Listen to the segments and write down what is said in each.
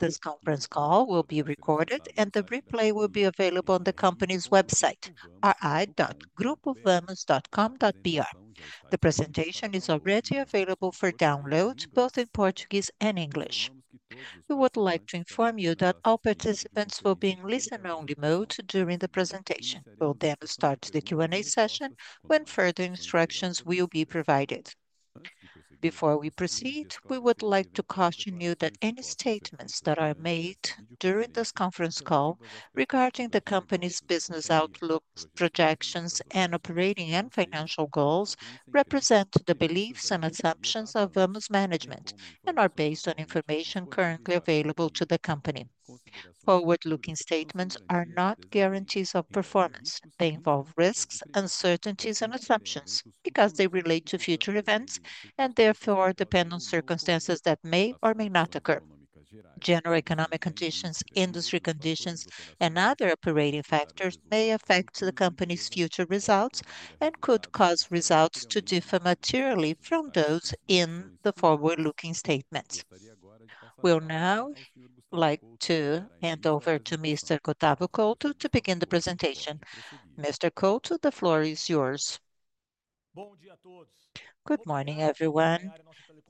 This conference call will be recorded, and the replay will be available on the company's website, ri.grupovamos.com.br. The presentation is already available for download, both in Portuguese and English. We would like to inform you that all participants will be in listen-only mode during the presentation. We'll then start the Q&A session when further instructions will be provided. Before we proceed, we would like to caution you that any statements that are made during this conference call regarding the company's business outlook, projections, and operating and financial goals represent the beliefs and assumptions of Vamos Management and are based on information currently available to the company. Forward-looking statements are not guarantees of performance. They involve risks, uncertainties, and assumptions because they relate to future events and therefore depend on circumstances that may or may not occur. General economic conditions, industry conditions, and other operating factors may affect the company's future results and could cause results to differ materially from those in the forward-looking statements. We'll now like to hand over to Mr. Gustavo Couto to begin the presentation. Mr. Couto, the floor is yours. Bom dia a todos. Good morning, everyone.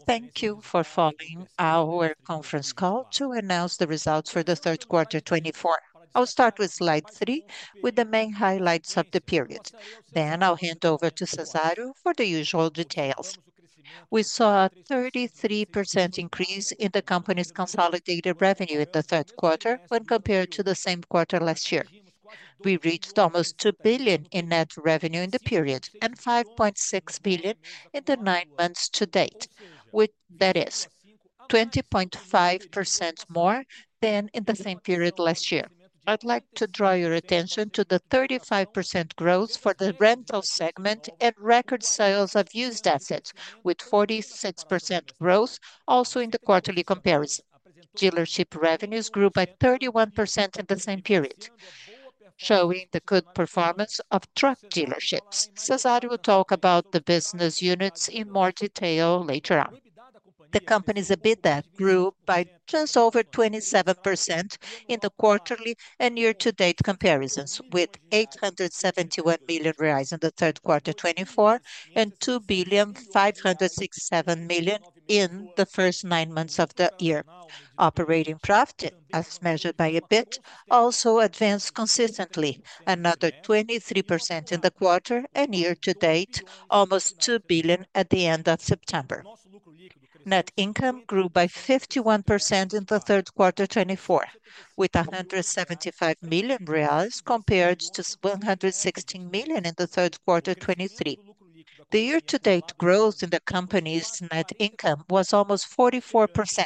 Thank you for following our conference call to announce the results for the third quarter 2024. I'll start with slide three, with the main highlights of the period. Then I'll hand over to Cezario for the usual details. We saw a 33% increase in the company's consolidated revenue in the third quarter when compared to the same quarter last year. We reached almost 2 billion in net revenue in the period and 5.6 billion in the nine months to date, which is 20.5% more than in the same period last year. I'd like to draw your attention to the 35% growth for the rental segment and record sales of used assets, with 46% growth also in the quarterly comparison. Dealership revenues grew by 31% in the same period, showing the good performance of truck dealerships. Cezario will talk about the business units in more detail later on. The company's EBITDA grew by just over 27% in the quarterly and year-to-date comparisons, with 871 million reais in the third quarter 2024 and 2 billion 567 million in the first nine months of the year. Operating profit, as measured by EBIT, also advanced consistently, another 23% in the quarter and year-to-date, almost 2 billion at the end of September. Net income grew by 51% in the third quarter 2024, with 175 million reais compared to 116 million in the third quarter 2023. The year-to-date growth in the company's net income was almost 44%,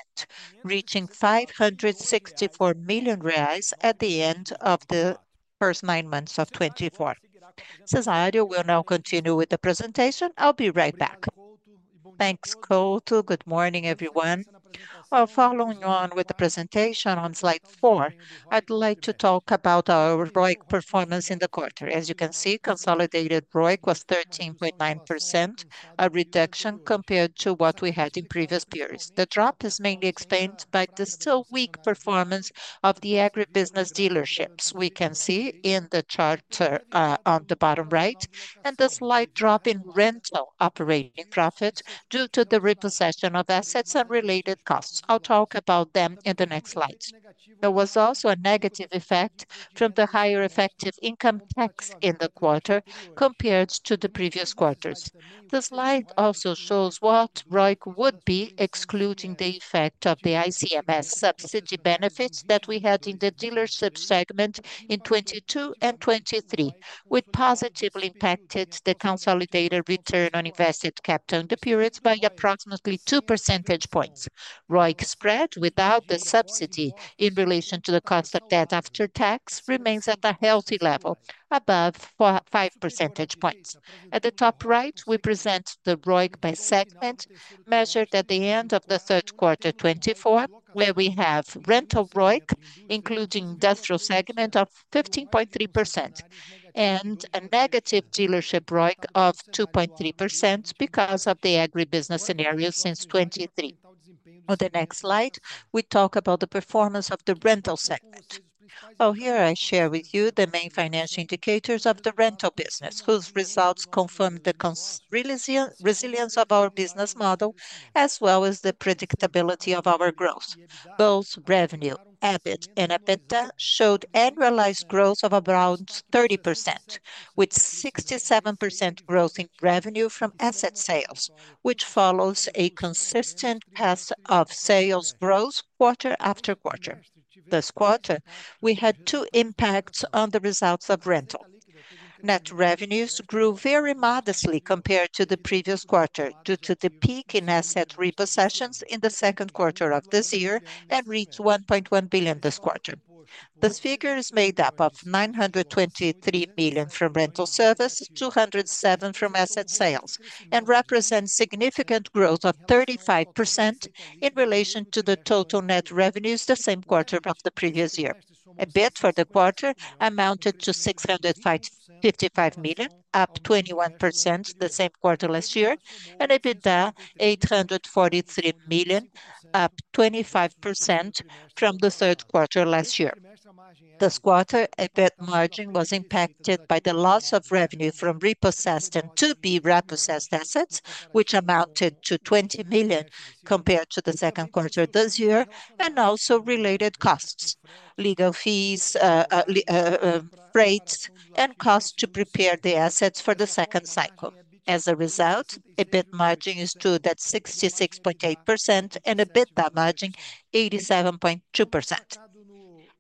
reaching 564 million reais at the end of the first nine months of 2024. Cezario will now continue with the presentation. I'll be right back. Thanks, Couto. Good morning, everyone. While following on with the presentation on slide four, I'd like to talk about our ROIC performance in the quarter. As you can see, consolidated ROIC was 13.9%, a reduction compared to what we had in previous periods. The drop is mainly explained by the still weak performance of the agribusiness dealerships we can see in the chart on the bottom right and the slight drop in rental operating profit due to the repossession of assets and related costs. I'll talk about them in the next slide. There was also a negative effect from the higher effective income tax in the quarter compared to the previous quarters. The slide also shows what ROIC would be excluding the effect of the ICMS subsidy benefits that we had in the dealership segment in 2022 and 2023, which positively impacted the consolidated return on invested capital in the periods by approximately 2 percentage points. ROIC spread without the subsidy in relation to the cost of debt after tax remains at a healthy level above 5 percentage points. At the top right, we present the ROIC by segment measured at the end of the third quarter 2024, where we have rental ROIC, including industrial segment, of 15.3% and a negative dealership ROIC of 2.3% because of the agribusiness scenario since 2023. On the next slide, we talk about the performance of the rental segment. Oh, here I share with you the main financial indicators of the rental business, whose results confirm the resilience of our business model as well as the predictability of our growth. Both revenue, EBIT, and EBITDA showed annualized growth of around 30%, with 67% growth in revenue from asset sales, which follows a consistent path of sales growth quarter after quarter. This quarter, we had two impacts on the results of rental. Net revenues grew very modestly compared to the previous quarter due to the peak in asset repossessions in the second quarter of this year and reached 1.1 billion this quarter. This figure is made up of 923 million from rental service, 207 million from asset sales, and represents significant growth of 35% in relation to the total net revenues the same quarter of the previous year. EBIT for the quarter amounted to 655 million, up 21% the same quarter last year, and EBITDA 843 million, up 25% from the third quarter last year. This quarter, EBIT margin was impacted by the loss of revenue from repossessed and to be repossessed assets, which amounted to 20 million compared to the second quarter this year, and also related costs, legal fees, rates, and costs to prepare the assets for the second cycle. As a result, EBIT margin stood at 66.8% and EBITDA margin 87.2%.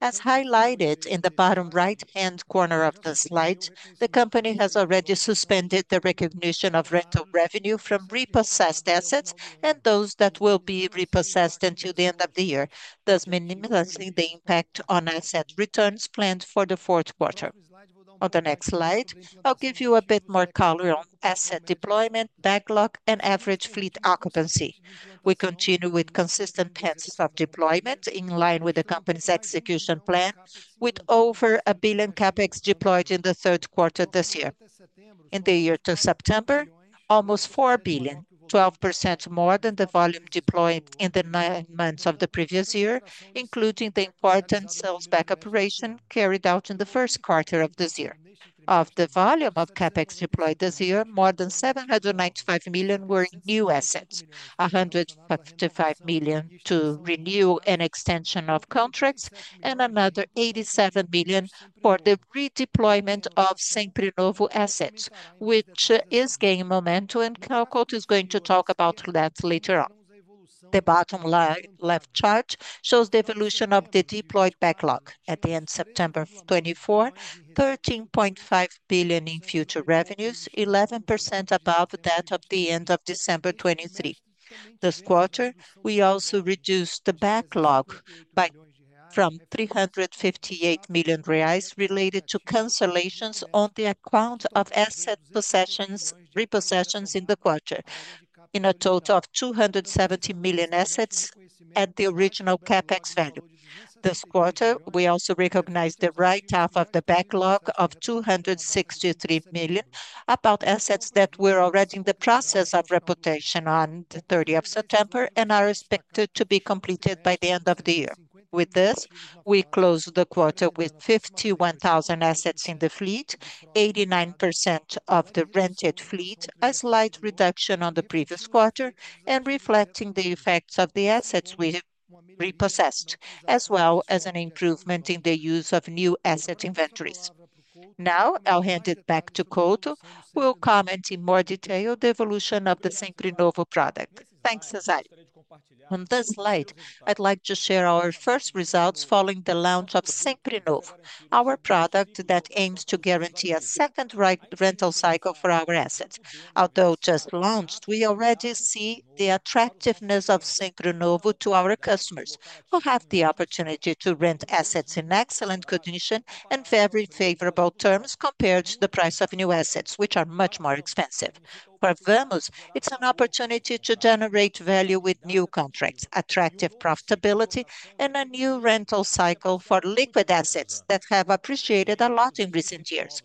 As highlighted in the bottom right-hand corner of the slide, the company has already suspended the recognition of rental revenue from repossessed assets and those that will be repossessed until the end of the year, thus minimizing the impact on asset returns planned for the fourth quarter. On the next slide, I'll give you a bit more color on asset deployment, backlog, and average fleet occupancy. We continue with consistent paths of deployment in line with the company's execution plan, with over 1 billion in CAPEX deployed in the third quarter this year. In the year to September, almost 4 billion, 12% more than the volume deployed in the nine months of the previous year, including the important sales backup operation carried out in the first quarter of this year. Of the volume of CAPEX deployed this year, more than 795 million were new assets, 155 million to renew an extension of contracts, and another 87 million for the redeployment of Seminovs assets, which is gaining momentum, and Couto is going to talk about that later on. The bottom left chart shows the evolution of the deployed backlog. At the end of September 2024, 13.5 billion in future revenues, 11% above that of the end of December 2023. This quarter, we also reduced the backlog from 358 million reais related to cancellations on account of asset repossessions in the quarter, in a total of 270 million assets at the original CAPEX value. This quarter, we also recognized the write-off of the backlog of 263 million about assets that were already in the process of repossession on the 30th of September and are expected to be completed by the end of the year. With this, we closed the quarter with 51,000 assets in the fleet, 89% of the rented fleet, a slight reduction on the previous quarter, and reflecting the effects of the assets we repossessed, as well as an improvement in the use of new asset inventories. Now, I'll hand it back to Couto, who will comment in more detail on the evolution of the Seminovos product. Thanks, Cezario. On this slide, I'd like to share our first results following the launch of Seminovos, our product that aims to guarantee a second rental cycle for our assets. Although just launched, we already see the attractiveness of Seminovos to our customers, who have the opportunity to rent assets in excellent condition and very favorable terms compared to the price of new assets, which are much more expensive. For Vamos, it's an opportunity to generate value with new contracts, attractive profitability, and a new rental cycle for liquid assets that have appreciated a lot in recent years.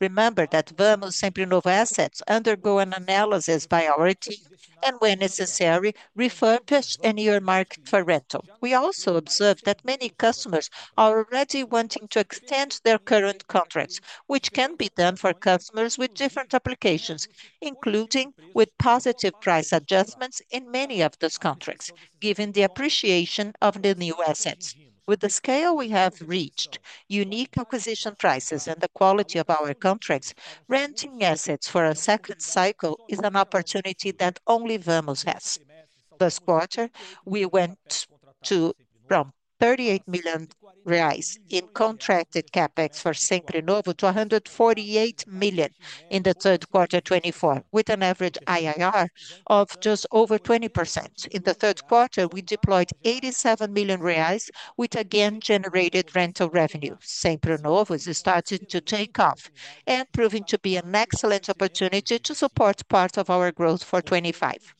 Remember that Vamos Seminovos assets undergo an analysis by our team and, when necessary, return to the market for rental. We also observe that many customers are already wanting to extend their current contracts, which can be done for customers with different applications, including with positive price adjustments in many of those contracts, given the appreciation of the new assets. With the scale we have reached, unique acquisition prices, and the quality of our contracts, renting assets for a second cycle is an opportunity that only Vamos has. This quarter, we went from 38 million in contracted CapEx for Seminovos to 148 million in the third quarter 2024, with an average IRR of just over 20%. In the third quarter, we deployed 87 million reais, which again generated rental revenue. Seminovos is starting to take off and proving to be an excellent opportunity to support part of our growth for 2025.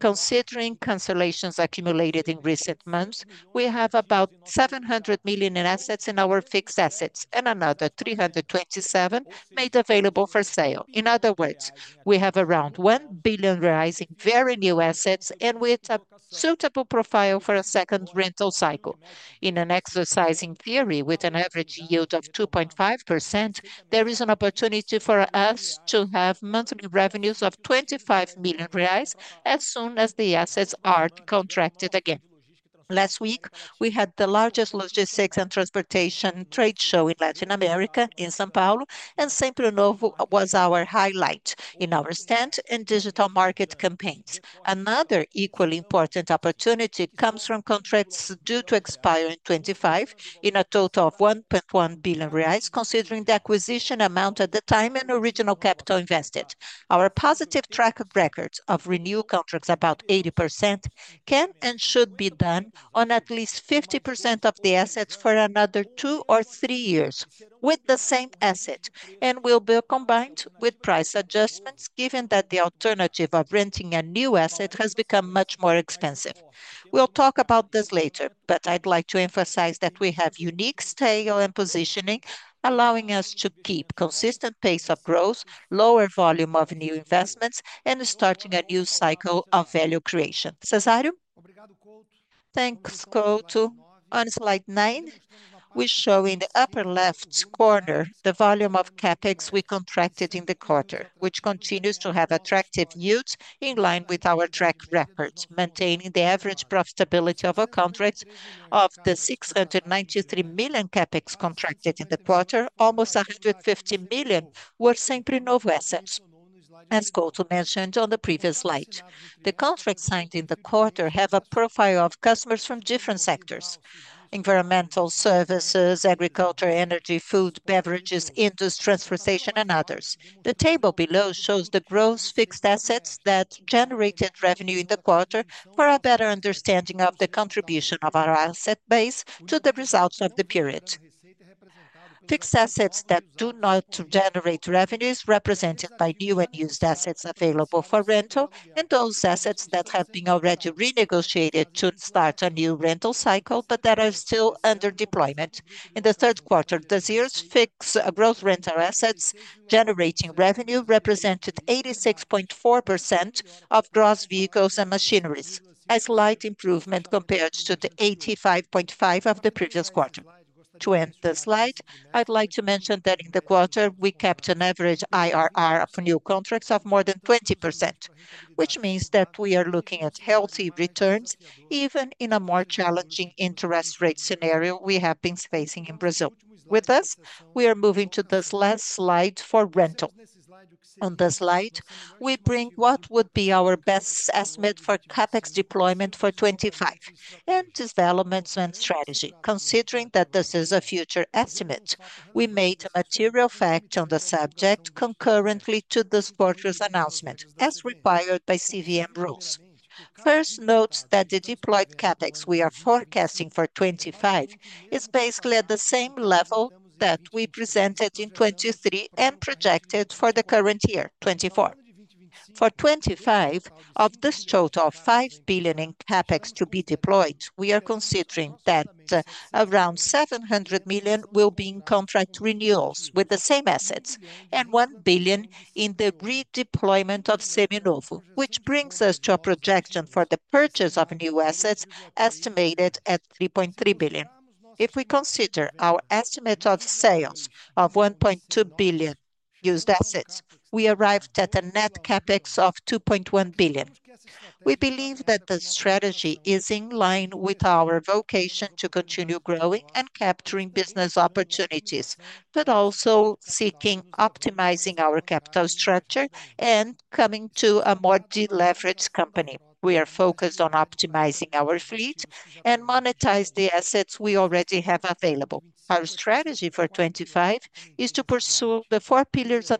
Considering cancellations accumulated in recent months, we have about 700 million in assets in our fixed assets and another 327 million made available for sale. In other words, we have around 1 billion in very new assets and with a suitable profile for a second rental cycle. In an exercise in theory with an average yield of 2.5%, there is an opportunity for us to have monthly revenues of 25 million reais as soon as the assets are contracted again. Last week, we had the largest logistics and transportation trade show in Latin America in São Paulo, and Seminovos was our highlight in our stand and digital market campaigns. Another equally important opportunity comes from contracts due to expire in 2025 in a total of 1.1 billion reais, considering the acquisition amount at the time and original capital invested. Our positive track record of renewed contracts, about 80%, can and should be done on at least 50% of the assets for another two or three years with the same asset, and will be combined with price adjustments, given that the alternative of renting a new asset has become much more expensive. We'll talk about this later, but I'd like to emphasize that we have unique scale and positioning, allowing us to keep a consistent pace of growth, lower volume of new investments, and starting a new cycle of value creation. Cezario Thanks, Couto. On slide nine, we show in the upper left corner the volume of CapEx we contracted in the quarter, which continues to have attractive yields in line with our track record, maintaining the average profitability of our contracts of the 693 million CapEx contracted in the quarter, almost 150 million with Seminovos assets, as Couto mentioned on the previous slide. The contracts signed in the quarter have a profile of customers from different sectors: environmental services, agriculture, energy, food, beverages, industry, transportation, and others. The table below shows the gross fixed assets that generated revenue in the quarter for a better understanding of the contribution of our asset base to the results of the period. Fixed assets that do not generate revenues represented by new and used assets available for rental and those assets that have been already renegotiated to start a new rental cycle, but that are still under deployment. In the third quarter, this year's fixed gross rental assets generating revenue represented 86.4% of gross vehicles and machineries, a slight improvement compared to the 85.5% of the previous quarter. To end the slide, I'd like to mention that in the quarter, we kept an average IRR of new contracts of more than 20%, which means that we are looking at healthy returns even in a more challenging interest rate scenario we have been facing in Brazil. With this, we are moving to this last slide for rental. On this slide, we bring what would be our best estimate for CAPEX deployment for 2025 and developments and strategy. Considering that this is a future estimate, we made a material fact on the subject concurrently to this quarter's announcement, as required by CVM rules. First, note that the deployed CapEx we are forecasting for 2025 is basically at the same level that we presented in 2023 and projected for the current year, 2024. For 2025, of this total of 5 billion in CapEx to be deployed, we are considering that around 700 million will be in contract renewals with the same assets and 1 billion in the redeployment of Seminovos, which brings us to a projection for the purchase of new assets estimated at 3.3 billion. If we consider our estimate of sales of 1.2 billion used assets, we arrived at a net CapEx of 2.1 billion. We believe that the strategy is in line with our vocation to continue growing and capturing business opportunities, but also seeking optimizing our capital structure and coming to a more deleveraged company. We are focused on optimizing our fleet and monetizing the assets we already have available. Our strategy for 2025 is to pursue the four pillars I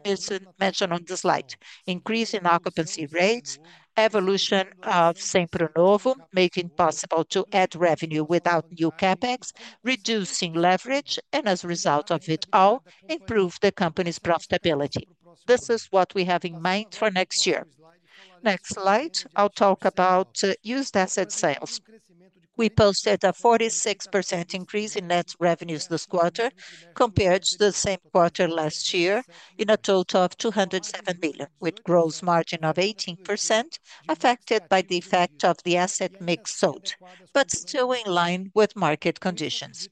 mentioned on this slide: increasing occupancy rates, evolution of Seminovos, making it possible to add revenue without new CAPEX, reducing leverage, and as a result of it all, improve the company's profitability. This is what we have in mind for next year. Next slide, I'll talk about used asset sales. We posted a 46% increase in net revenues this quarter compared to the same quarter last year in a total of 207 million, with a gross margin of 18% affected by the effect of the asset mix sold, but still in line with market conditions.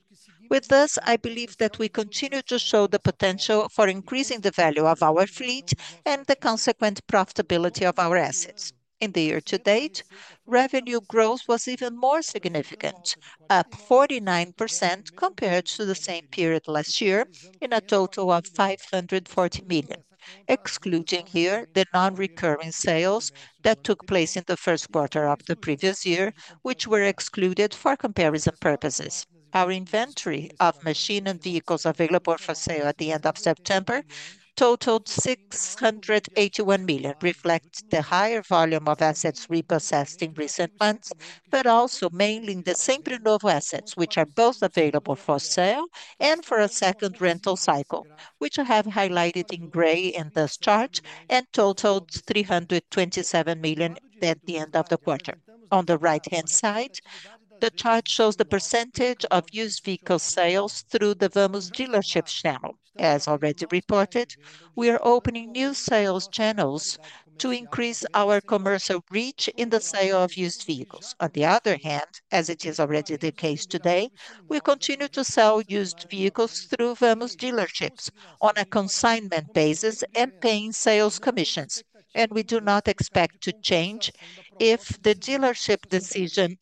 With this, I believe that we continue to show the potential for increasing the value of our fleet and the consequent profitability of our assets. In the year to date, revenue growth was even more significant, up 49% compared to the same period last year in a total of 540 million, excluding here the non-recurring sales that took place in the first quarter of the previous year, which were excluded for comparison purposes. Our inventory of machine and vehicles available for sale at the end of September totaled 681 million, reflecting the higher volume of assets repossessed in recent months, but also mainly the Seminovos assets, which are both available for sale and for a second rental cycle, which I have highlighted in gray in this chart and totaled 327 million at the end of the quarter. On the right-hand side, the chart shows the percentage of used vehicle sales through the Vamos dealership channel. As already reported, we are opening new sales channels to increase our commercial reach in the sale of used vehicles. On the other hand, as it is already the case today, we continue to sell used vehicles through Vamos dealerships on a consignment basis and paying sales commissions, and we do not expect to change if the dealership division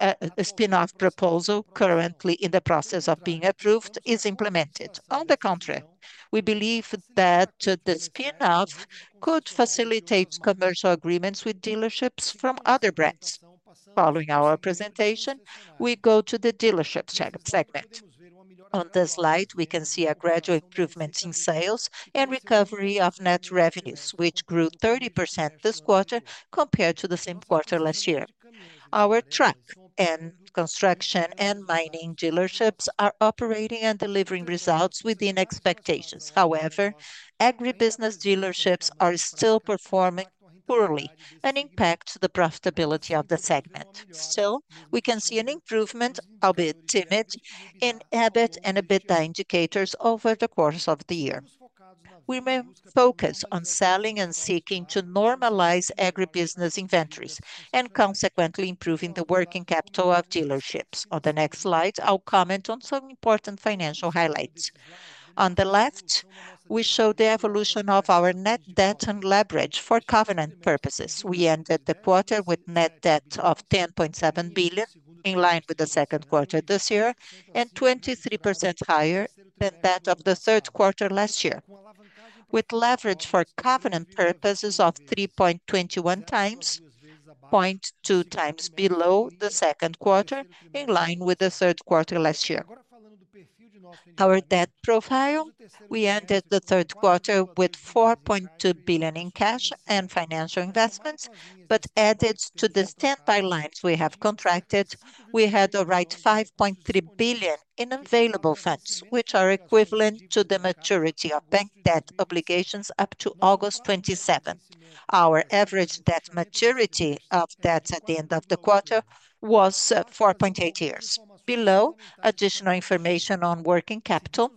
spinoff proposal, currently in the process of being approved, is implemented. On the contrary, we believe that the spinoff could facilitate commercial agreements with dealerships from other brands. Following our presentation, we go to the dealership segment. On this slide, we can see a gradual improvement in sales and recovery of net revenues, which grew 30% this quarter compared to the same quarter last year. Our truck and construction and mining dealerships are operating and delivering results within expectations. However, agribusiness dealerships are still performing poorly and impact the profitability of the segment. Still, we can see an improvement, albeit timid, in EBIT and EBITDA indicators over the course of the year. We may focus on selling and seeking to normalize agribusiness inventories and consequently improving the working capital of dealerships. On the next slide, I'll comment on some important financial highlights. On the left, we show the evolution of our net debt and leverage for covenant purposes. We ended the quarter with net debt of 10.7 billion, in line with the second quarter this year, and 23% higher than that of the third quarter last year, with leverage for covenant purposes of 3.21 times, 0.2 times below the second quarter, in line with the third quarter last year. Our debt profile, we ended the third quarter with 4.2 billion in cash and financial investments, but added to the standby lines we have contracted, we had a total of 5.3 billion in available funds, which are equivalent to the maturity of bank debt obligations up to August 27. Our average debt maturity of debts at the end of the quarter was 4.8 years. Below, additional information on working capital,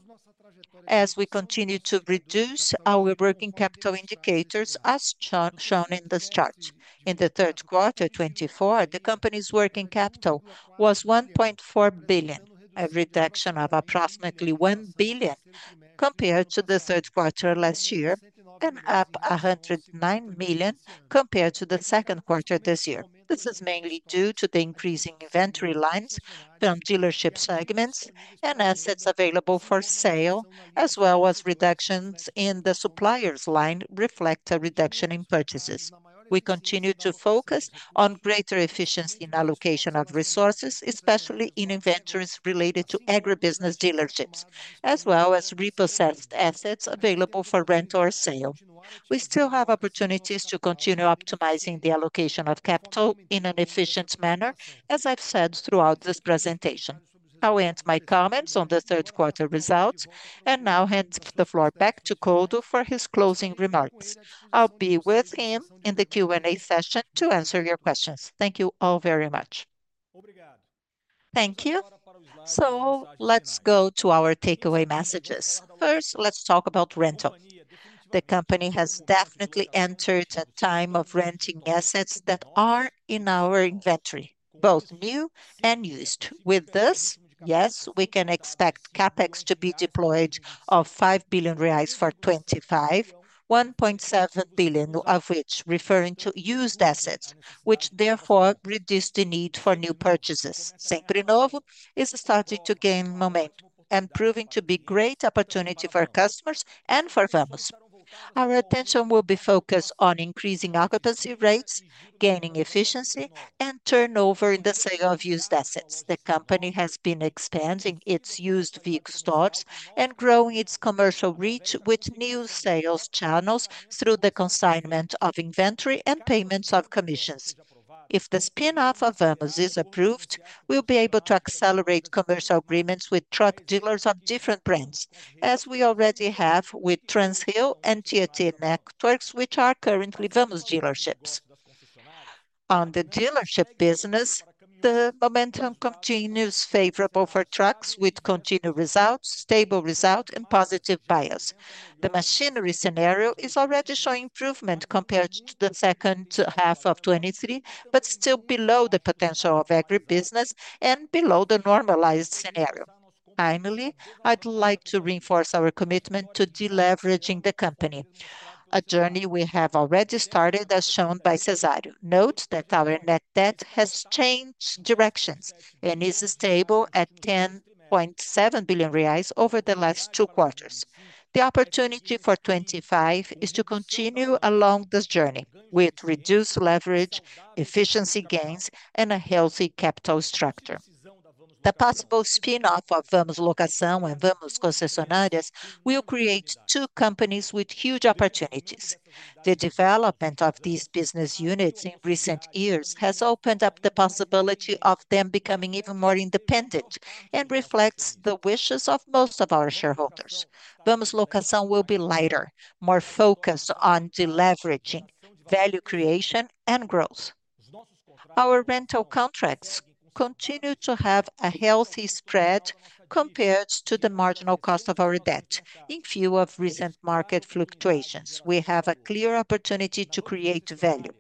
as we continue to reduce our working capital indicators as shown in this chart. In the third quarter 2024, the company's working capital was 1.4 billion, a reduction of approximately 1 billion compared to the third quarter last year and up 109 million compared to the second quarter this year. This is mainly due to the increasing inventory lines from dealership segments and assets available for sale, as well as reductions in the suppliers line, reflecting a reduction in purchases. We continue to focus on greater efficiency in allocation of resources, especially in inventories related to agribusiness dealerships, as well as repossessed assets available for rental or sale. We still have opportunities to continue optimizing the allocation of capital in an efficient manner, as I've said throughout this presentation. I'll end my comments on the third quarter results and now hand the floor back to Couto for his closing remarks. I'll be with him in the Q&A session to answer your questions. Thank you all very much. Thank you. So let's go to our takeaway messages. First, let's talk about rental. The company has definitely entered a time of renting assets that are in our inventory, both new and used. With this, yes, we can expect CAPEX to be deployed of 5 billion reais for 2025, 1.7 billion of which referring to used assets, which therefore reduced the need for new purchases. Seminovos is starting to gain momentum and proving to be a great opportunity for customers and for Vamos. Our attention will be focused on increasing occupancy rates, gaining efficiency, and turnover in the sale of used assets. The company has been expanding its used vehicle stocks and growing its commercial reach with new sales channels through the consignment of inventory and payments of commissions. If the spinoff of Vamos is approved, we'll be able to accelerate commercial agreements with truck dealers of different brands, as we already have with Transrio and Tietê Veículos, which are currently Vamos dealerships. On the dealership business, the momentum continues favorable for trucks with continued results, stable results, and positive bias. The machinery scenario is already showing improvement compared to the second half of 2023, but still below the potential of agribusiness and below the normalized scenario. Finally, I'd like to reinforce our commitment to deleveraging the company, a journey we have already started, as shown by Cezario. Note that our net debt has changed directions and is stable at 10.7 billion reais over the last two quarters. The opportunity for 2025 is to continue along this journey with reduced leverage, efficiency gains, and a healthy capital structure. The possible spinoff of Vamos Locação and Vamos Concessionárias will create two companies with huge opportunities. The development of these business units in recent years has opened up the possibility of them becoming even more independent and reflects the wishes of most of our shareholders. Vamos Locação will be lighter, more focused on deleveraging, value creation, and growth. Our rental contracts continue to have a healthy spread compared to the marginal cost of our debt. In view of recent market fluctuations, we have a clear opportunity to create value.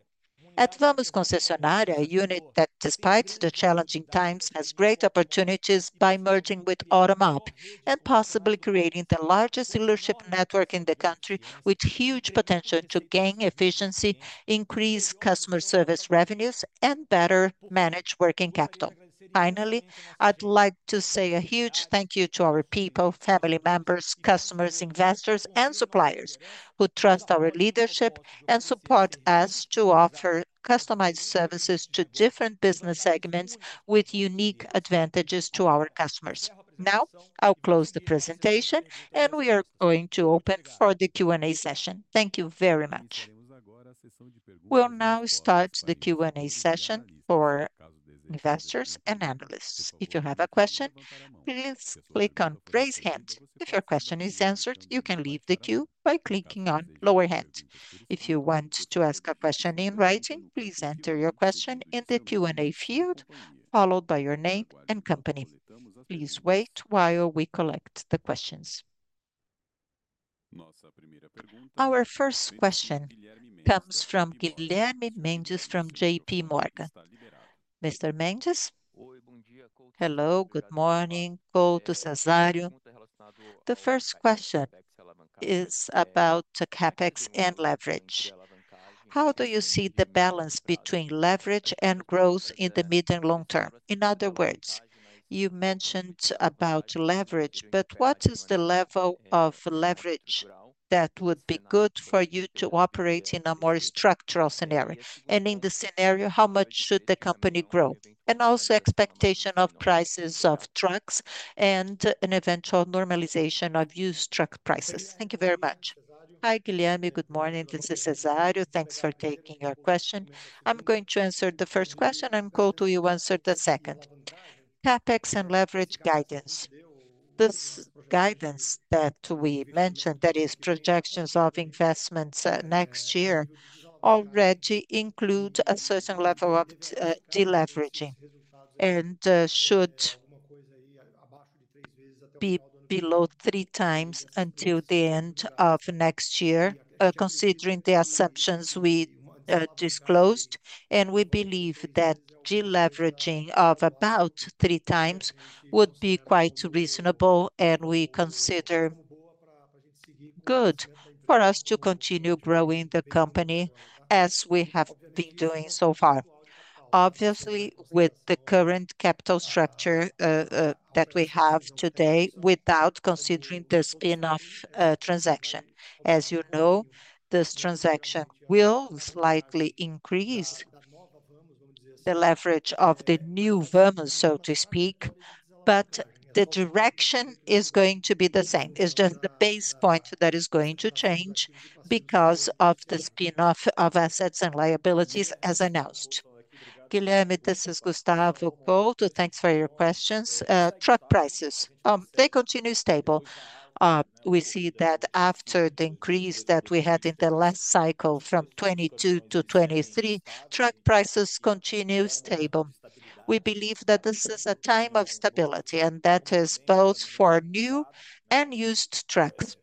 At Vamos Concessionárias, a unit that, despite the challenging times, has great opportunities by merging with Automob and possibly creating the largest dealership network in the country, with huge potential to gain efficiency, increase customer service revenues, and better manage working capital. Finally, I'd like to say a huge thank you to our people, family members, customers, investors, and suppliers who trust our leadership and support us to offer customized services to different business segments with unique advantages to our customers. Now, I'll close the presentation and we are going to open for the Q&A session. Thank you very much. We'll now start the Q&A session for investors and analysts. If you have a question, please click on raise hand. If your question is answered, you can leave the queue by clicking on lower hand. If you want to ask a question in writing, please enter your question in the Q&A field, followed by your name and company. Please wait while we collect the questions. Our first question comes from Guilherme Mendes from JP Morgan. Mr. Mendes, hello, good morning, Couto, Cezario. The first question is about CAPEX and leverage. How do you see the balance between leverage and growth in the mid and long term? In other words, you mentioned about leverage, but what is the level of leverage that would be good for you to operate in a more structural scenario? And in the scenario, how much should the company grow? And also expectation of prices of trucks and an eventual normalization of used truck prices? Thank you very much. Hi, Guilherme, good morning. This is Cezario. Thanks for taking your question. I'm going to answer the first question and Couto, you answer the second. CAPEX and leverage guidance. This guidance that we mentioned, that is projections of investments next year, already include a certain level of deleveraging and should be below three times until the end of next year, considering the assumptions we disclosed, and we believe that deleveraging of about three times would be quite reasonable and we consider good for us to continue growing the company as we have been doing so far. Obviously, with the current capital structure that we have today, without considering the spinoff transaction, as you know, this transaction will slightly increase the leverage of the new Vamos, so to speak, but the direction is going to be the same. It's just the base point that is going to change because of the spinoff of assets and liabilities as announced. Guilherme, this is Gustavo Couto, thanks for your questions. Truck prices, they continue stable. We see that after the increase that we had in the last cycle from 2022 to 2023, truck prices continue stable. We believe that this is a time of stability and that is both for new and used trucks.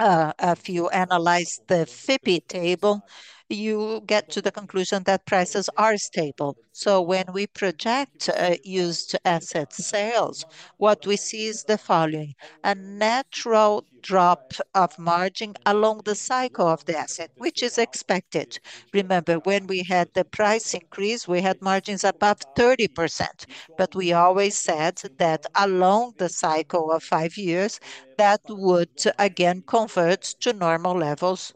If you analyze the FIPE table, you get to the conclusion that prices are stable. So when we project used asset sales, what we see is the following: a natural drop of margin along the cycle of the asset, which is expected. Remember, when we had the price increase, we had margins above 30%, but we always said that along the cycle of five years, that would again convert to normal levels,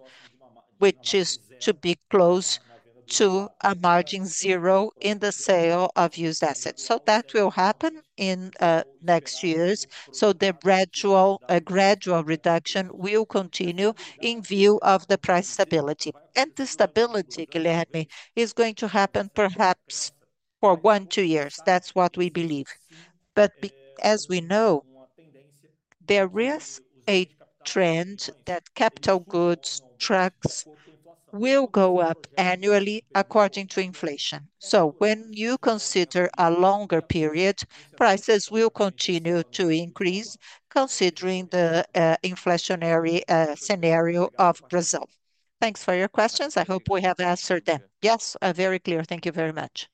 which is to be close to a margin zero in the sale of used assets, so that will happen in next years, so the gradual reduction will continue in view of the price stability, and the stability, Guilherme, is going to happen perhaps for one or two years. That's what we believe, but as we know, there is a trend that capital goods, trucks will go up annually according to inflation, so when you consider a longer period, prices will continue to increase considering the inflationary scenario of Brazil. Thanks for your questions. I hope we have answered them. Yes, very clear. Thank you very much.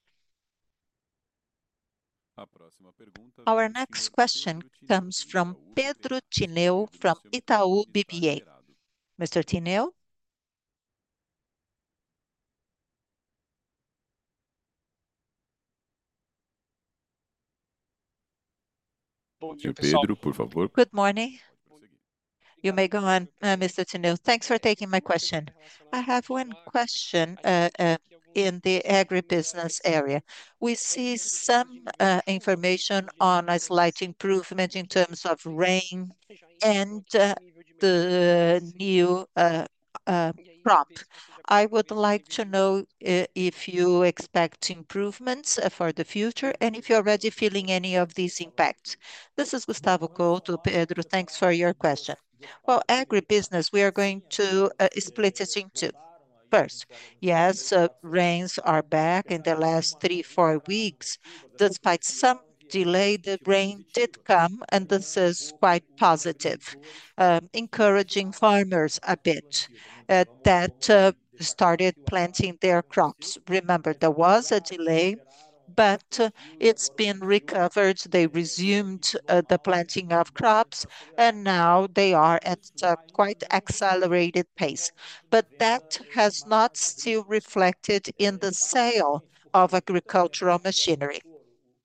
Our next question comes from Pedro Tineo from Itaú BBA. Mr. Tineu? Good morning. You may go on, Mr. Tineu. Thanks for taking my question. I have one question, in the agribusiness area. We see some information on a slight improvement in terms of rain and the new crop. I would like to know if you expect improvements for the future and if you are already feeling any of these impacts. This is Gustavo Couto. Pedro, thanks for your question. Well, agribusiness, we are going to split it into. First, yes, rains are back in the last three, four weeks. Despite some delay, the rain did come, and this is quite positive, encouraging farmers a bit that started planting their crops. Remember, there was a delay, but it has been recovered. They resumed the planting of crops, and now they are at a quite accelerated pace. But that has not still reflected in the sale of agricultural machinery.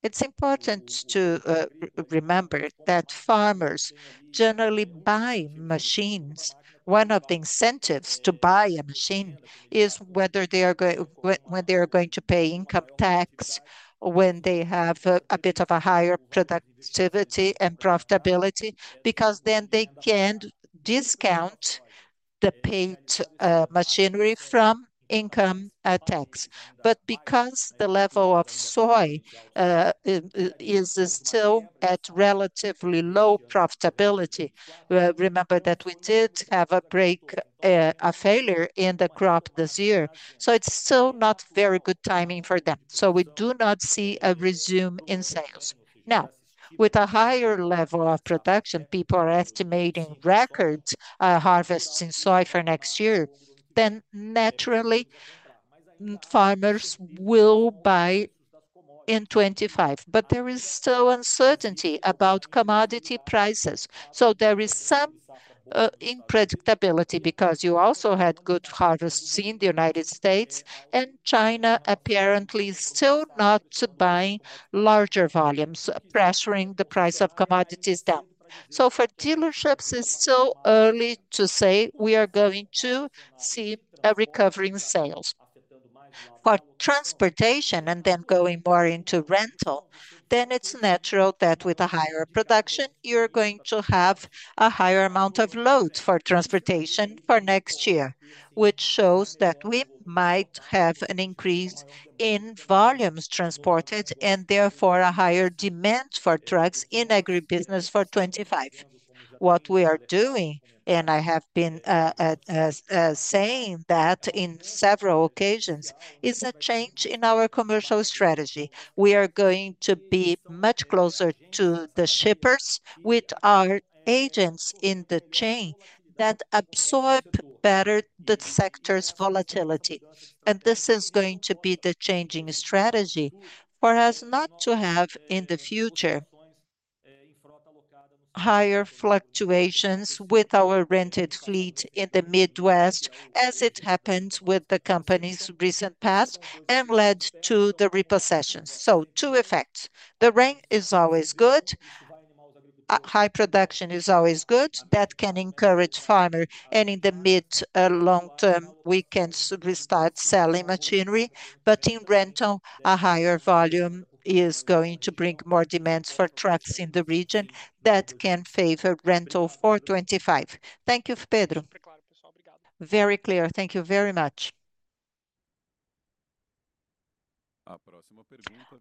It's important to remember that farmers generally buy machines. One of the incentives to buy a machine is whether they are going to pay income tax when they have a bit of a higher productivity and profitability, because then they can discount the paid machinery from income tax, but because the level of soy is still at relatively low profitability, remember that we did have a break, a failure in the crop this year, so it's still not very good timing for them, so we do not see a resumption in sales. Now, with a higher level of production, people are estimating record harvests in soy for next year, then naturally farmers will buy in 2025, but there is still uncertainty about commodity prices. So there is some unpredictability because you also had good harvests in the United States, and China apparently still not buying larger volumes, pressuring the price of commodities down. For dealerships, it's still early to say we are going to see a recovery in sales. For transportation and then going more into rental, it's natural that with a higher production, you're going to have a higher amount of load for transportation for next year, which shows that we might have an increase in volumes transported and therefore a higher demand for trucks in agribusiness for 2025. What we are doing, and I have been saying that in several occasions, is a change in our commercial strategy. We are going to be much closer to the shippers with our agents in the chain that absorb better the sector's volatility. This is going to be the changing strategy for us not to have in the future higher fluctuations with our rented fleet in the Midwest, as it happened with the company's recent past and led to the repossession. Two effects. The rain is always good. High production is always good. That can encourage farmers. And in the mid-long term, we can restart selling machinery. But in rental, a higher volume is going to bring more demands for trucks in the region that can favor rental for 2025. Thank you, Pedro. Very clear. Thank you very much.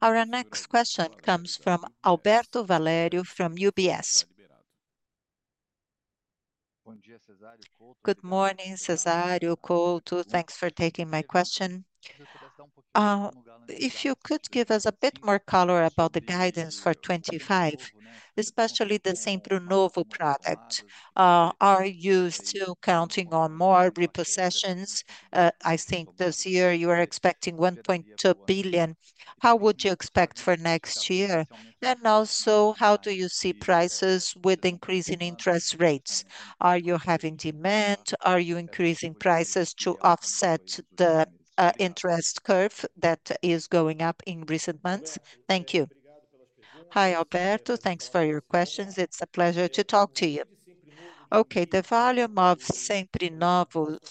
Our next question comes from Alberto Valério from UBS. Good morning, Cezario, Couto. Thanks for taking my question. If you could give us a bit more color about the guidance for 2025, especially the Seminovos product, are you still counting on more repossessions? I think this year you are expecting 1.2 billion. How would you expect for next year? And also, how do you see prices with increasing interest rates? Are you having demand? Are you increasing prices to offset the interest curve that is going up in recent months? Thank you. Hi, Alberto. Thanks for your questions. It's a pleasure to talk to you. Okay, the volume of Seminovos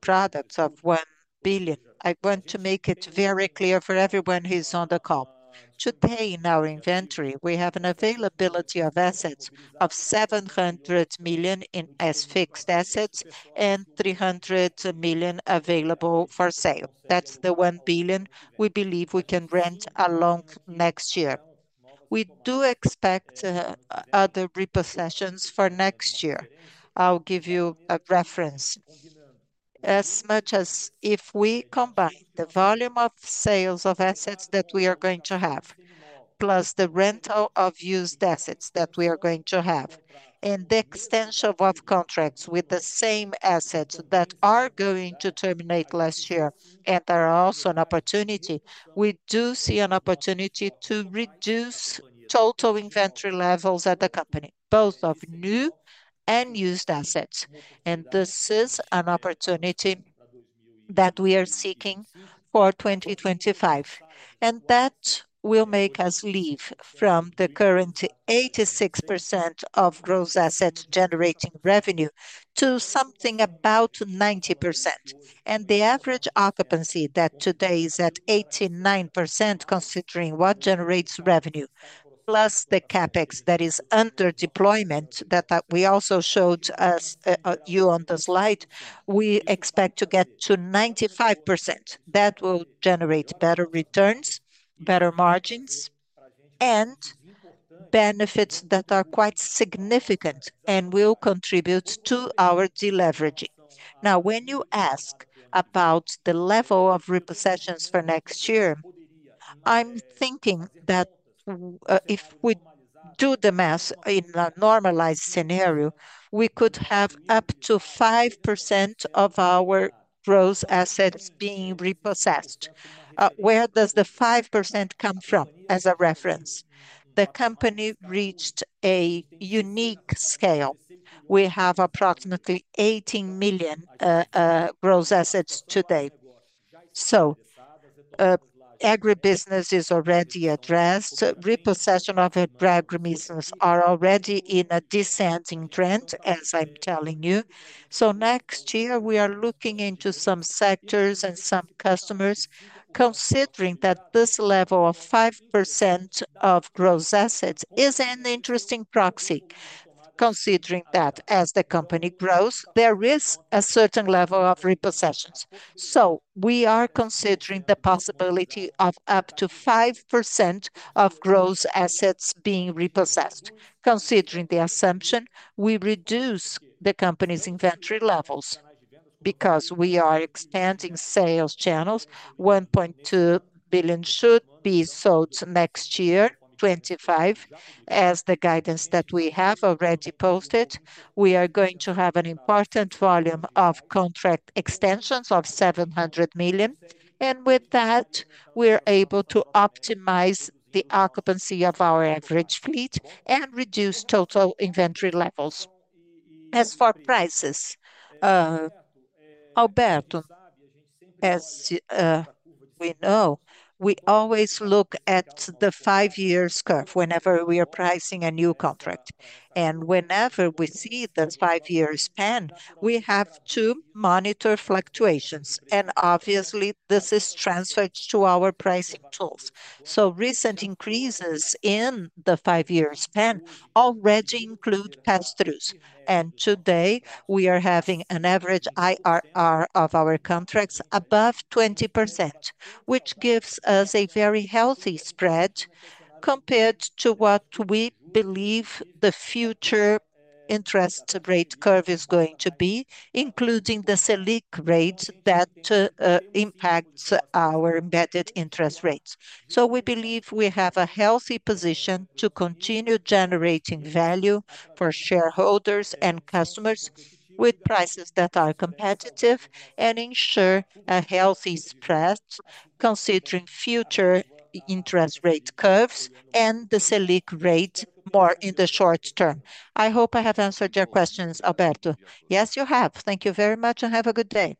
products of 1 billion. I want to make it very clear for everyone who is on the call. Today, in our inventory, we have an availability of assets of 700 million in as fixed assets and 300 million available for sale. That's the 1 billion we believe we can rent along next year. We do expect other repossessions for next year. I'll give you a reference. As much as if we combine the volume of sales of assets that we are going to have, plus the rental of used assets that we are going to have, and the extension of contracts with the same assets that are going to terminate last year and are also an opportunity, we do see an opportunity to reduce total inventory levels at the company, both of new and used assets. And this is an opportunity that we are seeking for 2025. And that will make us leave from the current 86% of gross asset generating revenue to something about 90%. And the average occupancy that today is at 89%, considering what generates revenue, plus the CAPEX that is under deployment that we also showed you on the slide, we expect to get to 95%. That will generate better returns, better margins, and benefits that are quite significant and will contribute to our deleveraging. Now, when you ask about the level of repossessions for next year, I'm thinking that if we do the math in a normalized scenario, we could have up to 5% of our gross assets being repossessed. Where does the 5% come from as a reference? The company reached a unique scale. We have approximately 18 billion gross assets today, so agribusiness is already addressed. Repossession of agribusiness are already in a descending trend, as I'm telling you, so next year, we are looking into some sectors and some customers, considering that this level of 5% of gross assets is an interesting proxy. Considering that as the company grows, there is a certain level of repossessions, so we are considering the possibility of up to 5% of gross assets being repossessed. Considering the assumption, we reduce the company's inventory levels because we are expanding sales channels. 1.2 billion should be sold next year, 2025, as the guidance that we have already posted, we are going to have an important volume of contract extensions of 700 million, and with that, we're able to optimize the occupancy of our average fleet and reduce total inventory levels. As for prices, Alberto, as we know, we always look at the five-year curve whenever we are pricing a new contract, and whenever we see the five-year span, we have to monitor fluctuations, and obviously, this is transferred to our pricing tools, so recent increases in the five-year span already include pass-throughs. Today, we are having an average IRR of our contracts above 20%, which gives us a very healthy spread compared to what we believe the future interest rate curve is going to be, including the Selic rate that impacts our embedded interest rates. We believe we have a healthy position to continue generating value for shareholders and customers with prices that are competitive and ensure a healthy spread, considering future interest rate curves and the Selic rate more in the short term. I hope I have answered your questions, Alberto. Yes, you have. Thank you very much and have a good day.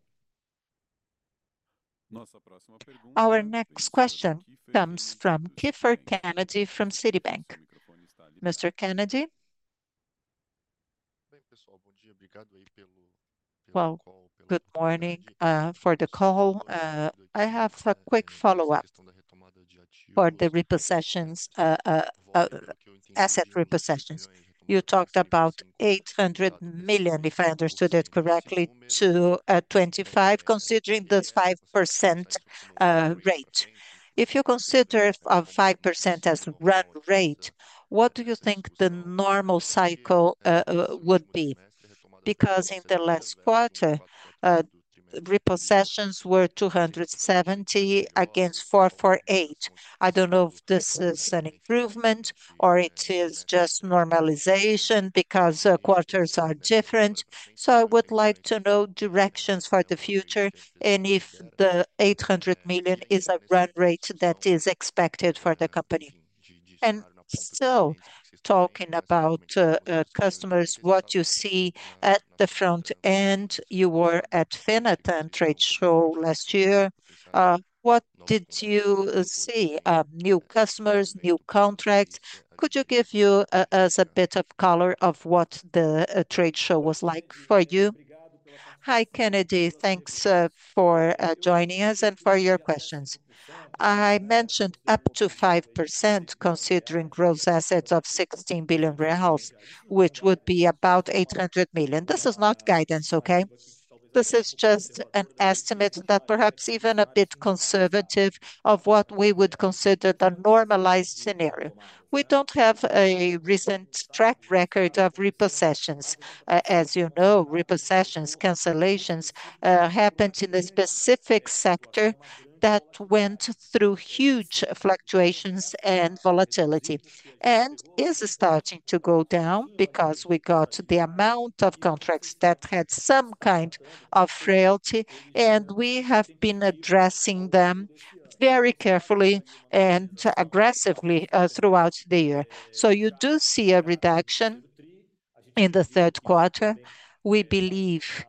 Our next question comes from Kiefer Kennedy from Citibank. Mr. Kennedy? Bom dia, obrigado aí pelo call. Good morning for the call. I have a quick follow-up for the repossessions, asset repossessions. You talked about 800 million, if I understood it correctly, to 2025, considering the 5% rate. If you consider a 5% as run rate, what do you think the normal cycle would be? Because in the last quarter, repossessions were 270 against 448. I don't know if this is an improvement or it is just normalization because quarters are different. I would like to know directions for the future and if the 800 million is a run rate that is expected for the company. Still talking about customers, what you see at the front end, you were at Fenatran trade show last year. What did you see? New customers, new contracts. Could you give you a bit of color of what the trade show was like for you? Hi, Kennedy. Thanks for joining us and for your questions. I mentioned up to 5% considering gross assets of 16 billion reais, which would be about 800 million. This is not guidance, okay? This is just an estimate that perhaps even a bit conservative of what we would consider the normalized scenario. We don't have a recent track record of repossessions. As you know, repossessions, cancellations happened in a specific sector that went through huge fluctuations and volatility and is starting to go down because we got the amount of contracts that had some kind of frailty, and we have been addressing them very carefully and aggressively throughout the year. So you do see a reduction in the third quarter. We believe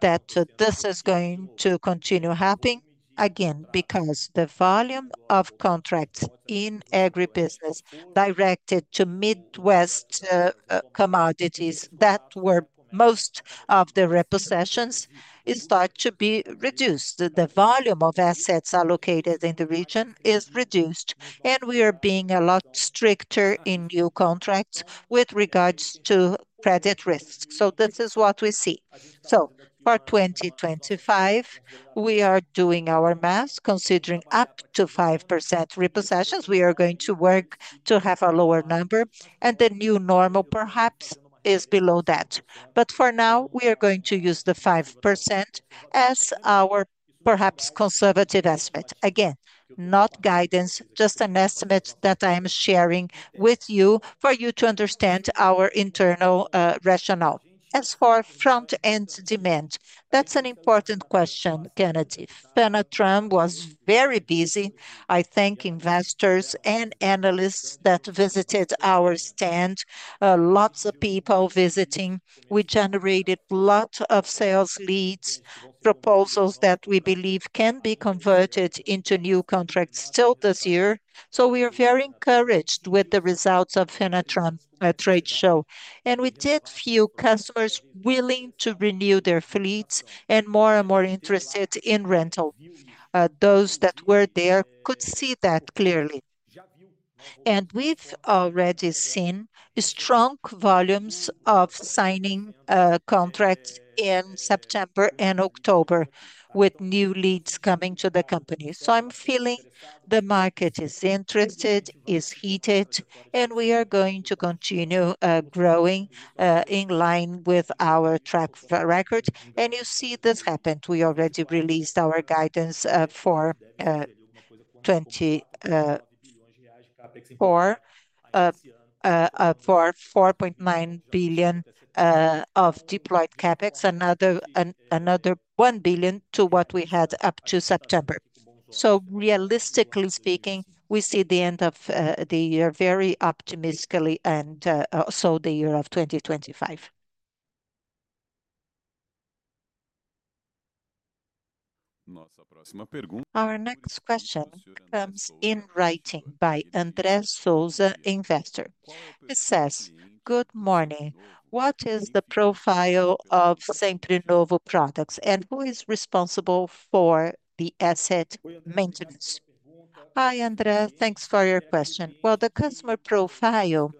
that this is going to continue happening again because the volume of contracts in agribusiness directed to Midwest, commodities that were most of the repossessions is starting to be reduced. The volume of assets allocated in the region is reduced, and we are being a lot stricter in new contracts with regards to credit risk. So this is what we see. So for 2025, we are doing our math. Considering up to 5% repossessions, we are going to work to have a lower number, and the new normal perhaps is below that. But for now, we are going to use the 5% as our perhaps conservative estimate. Again, not guidance, just an estimate that I am sharing with you for you to understand our internal rationale. As for front-end demand, that's an important question, Kennedy. Fenatran was very busy. I thank investors and analysts that visited our stand. Lots of people visiting. We generated a lot of sales leads, proposals that we believe can be converted into new contracts still this year. So we are very encouraged with the results of the Fenatran trade show. And we did few customers willing to renew their fleets and more and more interested in rental. Those that were there could see that clearly. And we've already seen strong volumes of signing contracts in September and October, with new leads coming to the company. So I'm feeling the market is interested, is heated, and we are going to continue growing, in line with our track record. And you see this happened. We already released our guidance for 4.9 billion of deployed CAPEX, another 1 billion to what we had up to September. So realistically speaking, we see the end of the year very optimistically and also the year of 2025. Our next question comes in writing by Andrés Sousa, investor. He says, "Good morning. What is the profile of Seminovos products and who is responsible for the asset maintenance?" Hi, André. Thanks for your question. Well, the customer profile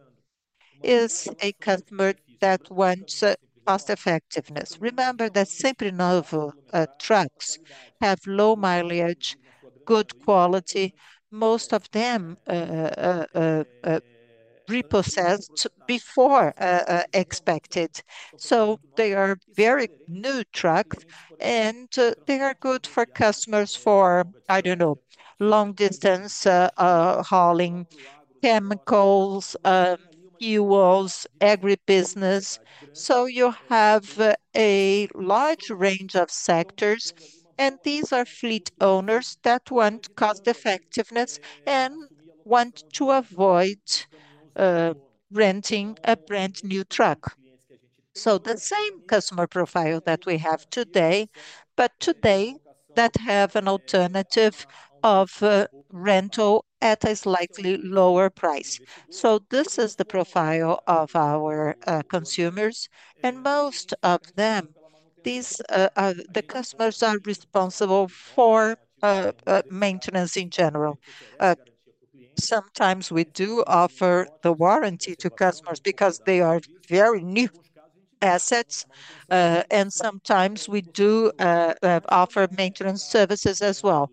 is a customer that wants cost-effectiveness. Remember that Seminovos trucks have low mileage, good quality. Most of them repossessed before expected. So they are very new trucks, and they are good for customers for, I don't know, long-distance hauling, chemicals, fuels, agribusiness. So you have a large range of sectors, and these are fleet owners that want cost-effectiveness and want to avoid renting a brand new truck. So the same customer profile that we have today, but today that have an alternative of rental at a slightly lower price. So this is the profile of our consumers. And most of them, these are the customers that are responsible for, maintenance in general. Sometimes we do offer the warranty to customers because they are very new assets, and sometimes we do offer maintenance services as well.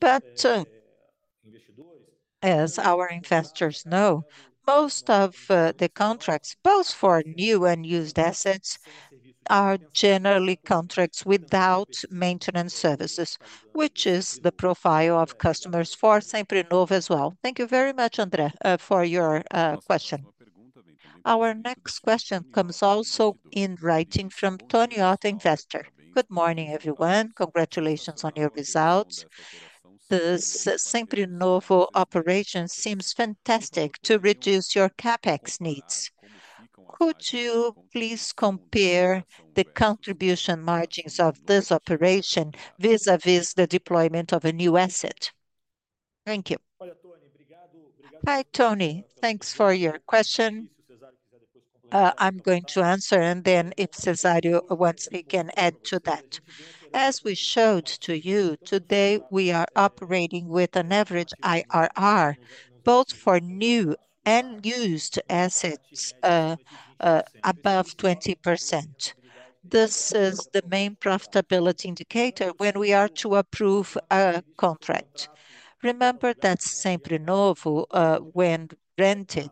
But as our investors know, most of the contracts, both for new and used assets, are generally contracts without maintenance services, which is the profile of customers for Seminovos as well. Thank you very much, André, for your question. Our next question comes also in writing from Tony Otto, investor. Good morning, everyone. Congratulations on your results. The Seminovos operation seems fantastic to reduce your CapEx needs. Could you please compare the contribution margins of this operation vis-à-vis the deployment of a new asset? Thank you. Hi, Tony. Thanks for your question. I'm going to answer, and then if Cezario wants, he can add to that. As we showed to you today, we are operating with an average IRR both for new and used assets, above 20%. This is the main profitability indicator when we are to approve a contract. Remember that Seminovos, when rented,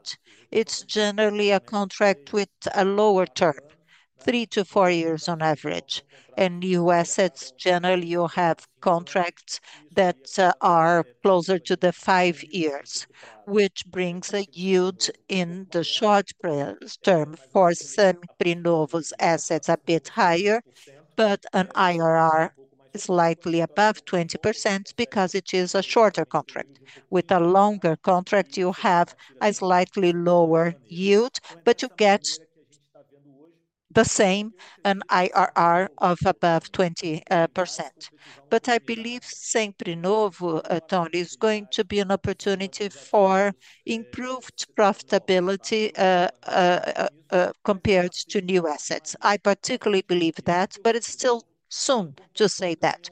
it's generally a contract with a lower term, three to four years on average, and new assets, generally, you have contracts that are closer to the five years, which brings a yield in the short term for Seminovos' assets a bit higher, but an IRR is likely above 20% because it is a shorter contract. With a longer contract, you have a slightly lower yield, but you get the same, an IRR of above 20%, but I believe Seminovos, Tony, is going to be an opportunity for improved profitability, compared to new assets. I particularly believe that, but it's still soon to say that,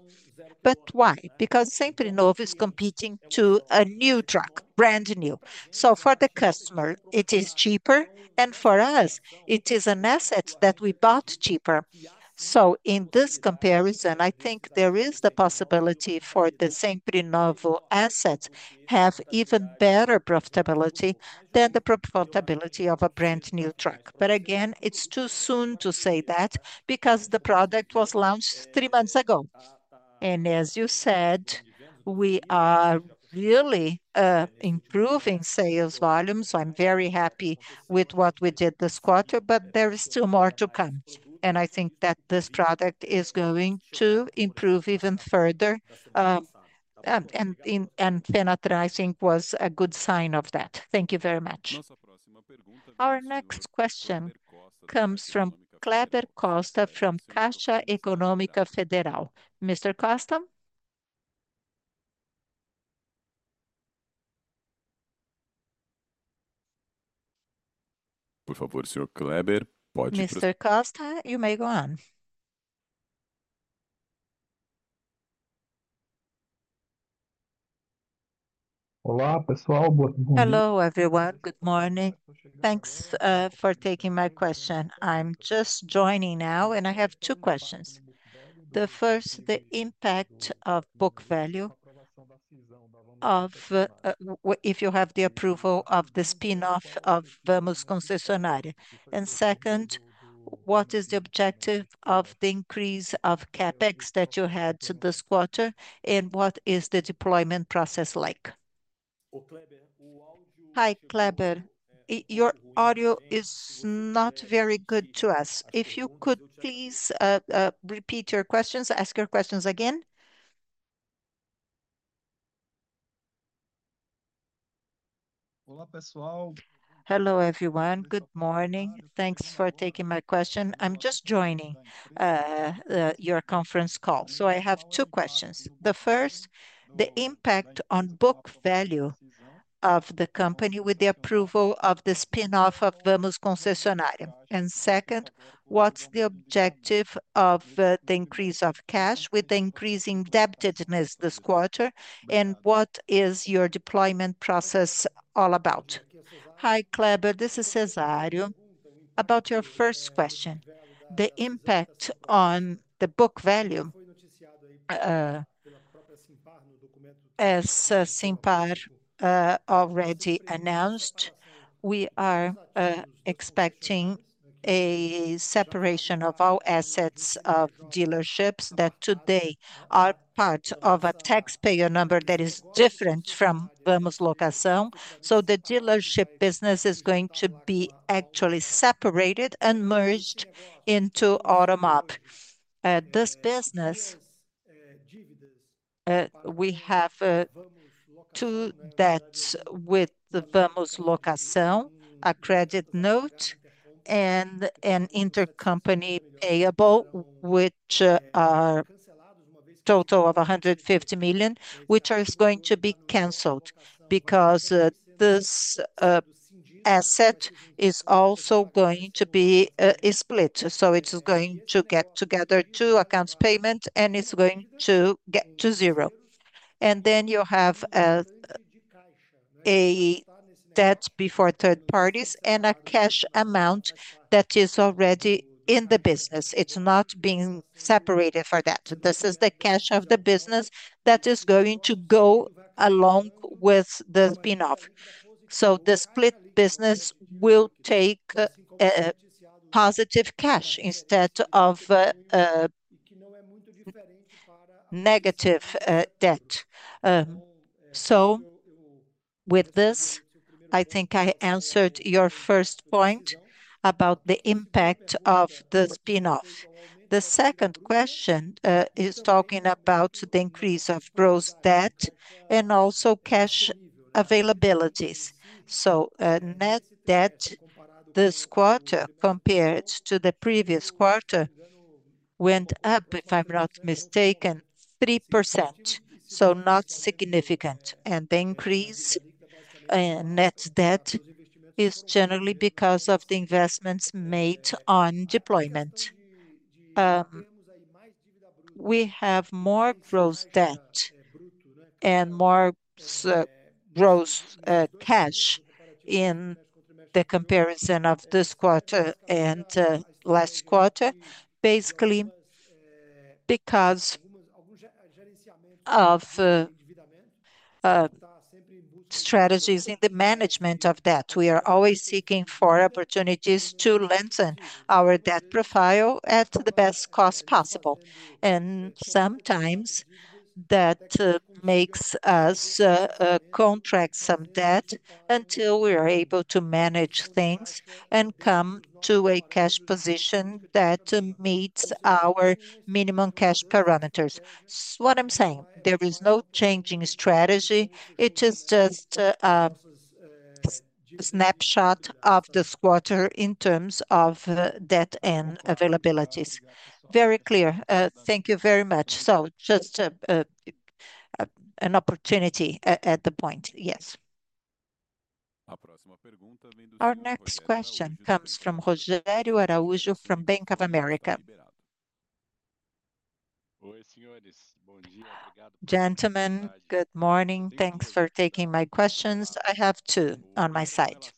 but why? Because Seminovos is competing to a new truck, brand new. So for the customer, it is cheaper, and for us, it is an asset that we bought cheaper. So in this comparison, I think there is the possibility for the Seminovos asset to have even better profitability than the profitability of a brand new truck. But again, it's too soon to say that because the product was launched three months ago. And as you said, we are really improving sales volumes. I'm very happy with what we did this quarter, but there is still more to come. And I think that this product is going to improve even further. And Fenatran, I think, was a good sign of that. Thank you very much. Our next question comes from Cléber Costa from Caixa Econômica Federal. Mr. Costa? Por favor, senhor Cléber, pode. Mr. Costa, you may go on. Olá, pessoal. Hello, everyone. Good morning. Thanks for taking my question. I'm just joining now, and I have two questions. The first, the impact of book value of if you have the approval of the spin-off of Vamos Concessionárias. And second, what is the objective of the increase of CapEx that you had this quarter, and what is the deployment process like? O Cléber, o áudio— Hi, Cléber. Your audio is not very good to us. If you could please repeat your questions, ask your questions again. Olá, pessoal. Hello, everyone. Good morning. Thanks for taking my question. I'm just joining your conference call. So I have two questions. The first, the impact on book value of the company with the approval of the spin-off of Vamos Concessionárias. And second, what's the objective of the increase of cash with the increasing indebtedness this quarter, and what is your deployment process all about? Hi, Cléber. This is Cezario. About your first question, the impact on the book value. As Simpar already announced, we are expecting a separation of our assets of dealerships that today are part of a taxpayer number that is different from Vamos Locação. So the dealership business is going to be actually separated and merged into Automob. This business, we have two debts with Vamos Locação, a credit note, and an intercompany payable, which are a total of 150 million, which are going to be canceled because this asset is also going to be split. So it is going to get together two accounts payable, and it's going to get to zero. And then you have a debt before third parties and a cash amount that is already in the business. It's not being separated for that. This is the cash of the business that is going to go along with the spin-off. So the split business will take a positive cash instead of a negative debt. So with this, I think I answered your first point about the impact of the spin-off. The second question is talking about the increase of gross debt and also cash availabilities. So net debt this quarter compared to the previous quarter went up, if I'm not mistaken, 3%. So not significant. And the increase in net debt is generally because of the investments made on deployment. We have more gross debt and more gross cash in the comparison of this quarter and last quarter, basically because of strategies in the management of debt. We are always seeking for opportunities to lengthen our debt profile at the best cost possible. And sometimes that makes us contract some debt until we are able to manage things and come to a cash position that meets our minimum cash parameters. What I'm saying, there is no changing strategy. It is just a snapshot of this quarter in terms of debt and availabilities. Very clear. Thank you very much. So just an opportunity at the point. Yes. Our next question comes from Rogério Araújo from Bank of America. Oi, senhores. Bom dia, obrigado. Gentlemen, good morning. Thanks for taking my questions. I have two on my side.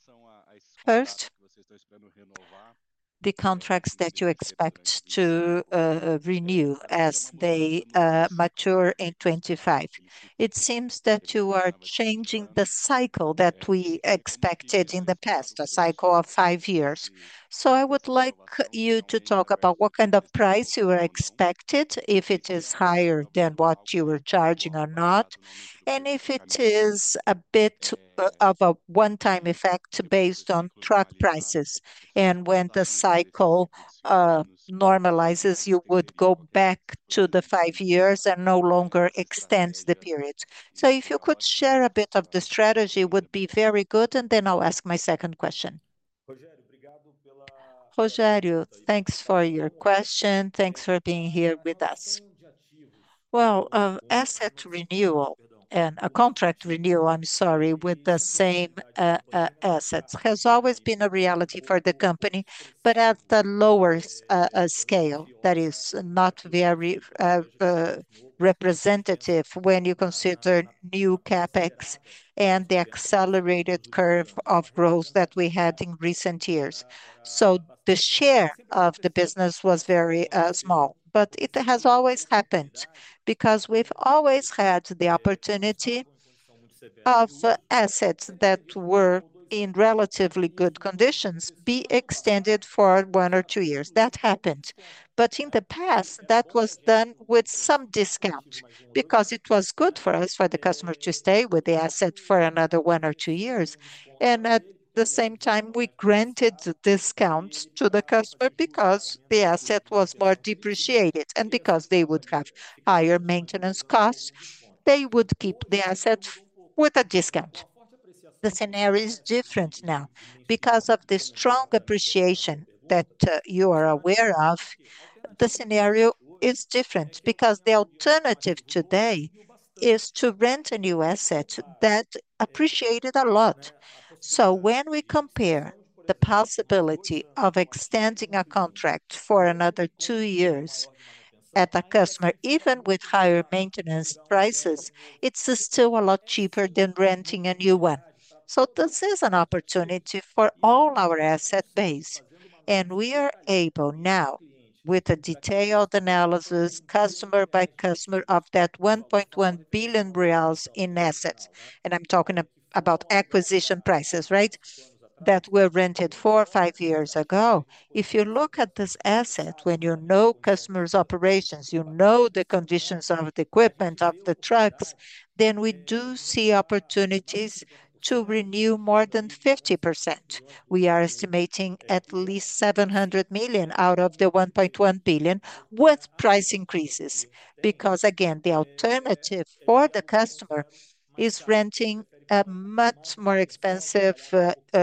First, the contracts that you expect to renew as they mature in 2025. It seems that you are changing the cycle that we expected in the past, a cycle of five years. I would like you to talk about what kind of price you were expected, if it is higher than what you were charging or not, and if it is a bit of a one-time effect based on truck prices. And when the cycle normalizes, you would go back to the five years and no longer extend the period. So if you could share a bit of the strategy, it would be very good, and then I'll ask my second question. Rogério, thanks for your question. Thanks for being here with us. Well, asset renewal and a contract renewal, I'm sorry, with the same assets has always been a reality for the company, but at the lower scale. That is not very representative when you consider new CAPEX and the accelerated curve of growth that we had in recent years. So the share of the business was very small, but it has always happened because we've always had the opportunity of assets that were in relatively good conditions being extended for one or two years. That happened. But in the past, that was done with some discount because it was good for us, for the customer to stay with the asset for another one or two years. And at the same time, we granted the discount to the customer because the asset was more depreciated and because they would have higher maintenance costs. They would keep the asset with a discount. The scenario is different now because of the strong appreciation that you are aware of. The scenario is different because the alternative today is to rent a new asset that appreciated a lot. When we compare the possibility of extending a contract for another two years at a customer, even with higher maintenance prices, it's still a lot cheaper than renting a new one. This is an opportunity for all our asset base. We are able now, with a detailed analysis, customer by customer of that 1.1 billion reais in assets. I'm talking about acquisition prices, right? That were rented four or five years ago. If you look at this asset, when you know customer's operations, you know the conditions of the equipment, of the trucks, then we do see opportunities to renew more than 50%. We are estimating at least 700 million out of the 1.1 billion with price increases because, again, the alternative for the customer is renting a much more expensive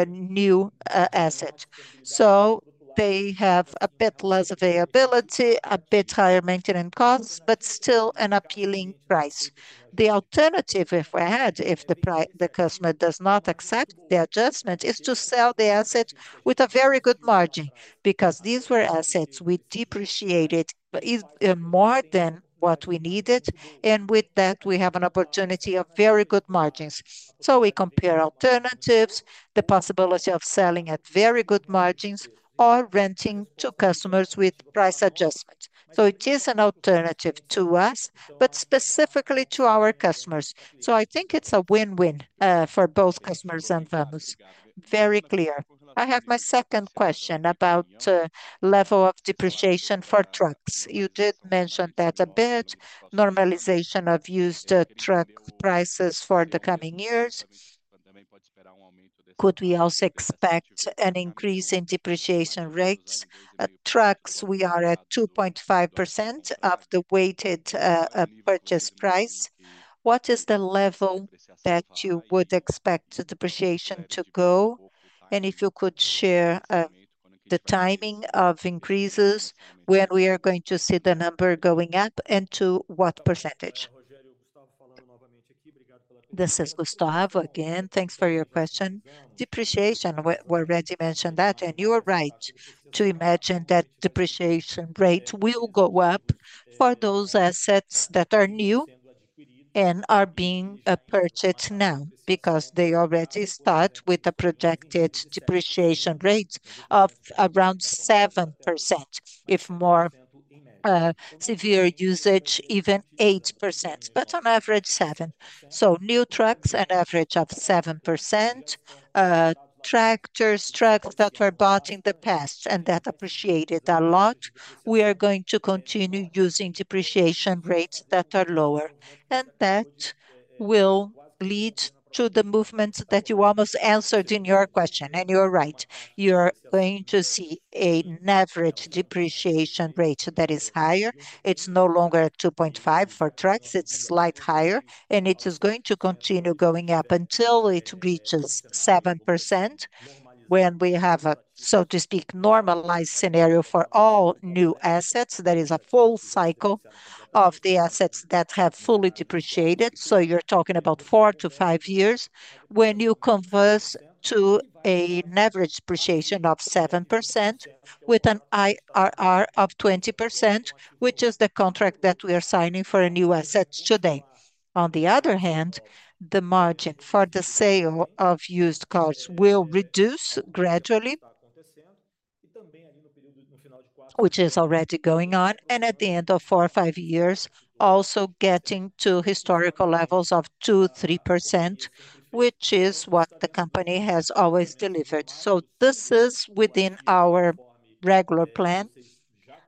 new asset. So they have a bit less availability, a bit higher maintenance costs, but still an appealing price. The alternative, if we had, if the customer does not accept the adjustment, is to sell the asset with a very good margin because these were assets we depreciated more than what we needed. And with that, we have an opportunity of very good margins. So we compare alternatives, the possibility of selling at very good margins or renting to customers with price adjustment. So it is an alternative to us, but specifically to our customers. So I think it's a win-win for both customers and Vamos. Very clear. I have my second question about the level of depreciation for trucks. You did mention that a bit, normalization of used truck prices for the coming years. Could we also expect an increase in depreciation rates? Trucks, we are at 2.5% of the weighted purchase price. What is the level that you would expect the depreciation to go, and if you could share the timing of increases, when we are going to see the number going up and to what percentage? This is Gustavo again. Thanks for your question. Depreciation, we already mentioned that, and you are right to imagine that depreciation rate will go up for those assets that are new and are being purchased now because they already start with a projected depreciation rate of around 7%. If more severe usage, even 8%, but on average 7%. So new trucks, an average of 7%. Tractors, trucks that were bought in the past and that appreciated a lot, we are going to continue using depreciation rates that are lower, and that will lead to the movement that you almost answered in your question. You are right. You are going to see an average depreciation rate that is higher. It's no longer 2.5% for trucks. It's slightly higher. And it is going to continue going up until it reaches 7% when we have a, so to speak, normalized scenario for all new assets. That is a full cycle of the assets that have fully depreciated. So you're talking about four to five years when you convert to an average depreciation of 7% with an IRR of 20%, which is the contract that we are signing for a new asset today. On the other hand, the margin for the sale of used cars will reduce gradually, which is already going on. And at the end of four or five years, also getting to historical levels of 2%, 3%, which is what the company has always delivered. This is within our regular plan,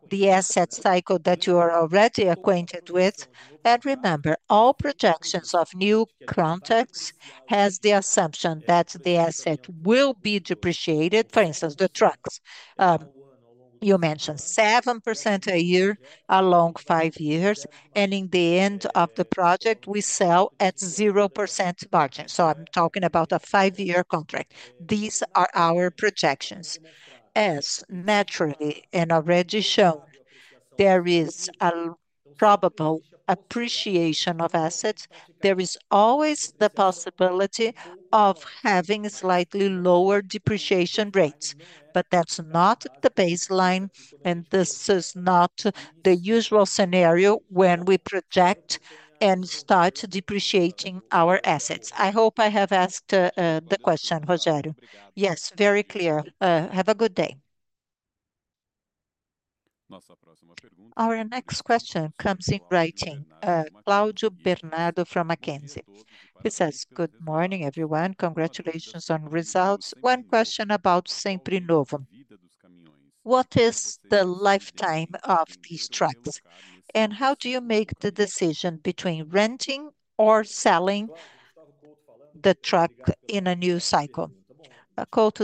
the asset cycle that you are already acquainted with. And remember, all projections of new contracts have the assumption that the asset will be depreciated. For instance, the trucks, you mentioned 7% a year over five years. And in the end of the project, we sell at 0% margin. So I'm talking about a five-year contract. These are our projections. As naturally and already shown, there is a probable appreciation of assets. There is always the possibility of having slightly lower depreciation rates, but that's not the baseline. And this is not the usual scenario when we project and start depreciating our assets. I hope I have answered the question, Rogério. Yes, very clear. Have a good day. Our next question comes in writing. Cláudio Bernardo from Macquarie. He says, "Good morning, everyone. Congratulations on results. One question about Seminovos. What is the lifetime of these trucks? And how do you make the decision between renting or selling the truck in a new cycle?"